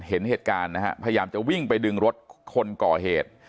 เห็นเหตุการณ์นะฮะพยายามจะวิ่งไปดึงรถคนก่อเหตุ